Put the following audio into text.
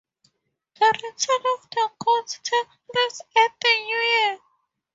The return of the ghosts takes place at the New Year.